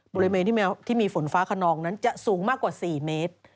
บริเวณที่มีฝนฟ้าขนองนั้นจะสูงมากกว่า๔เมตร